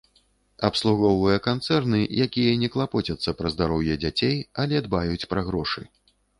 Абслугоўвае канцэрны, якія не клапоцяцца пра здароўе дзяцей, але дбаюць пра грошы.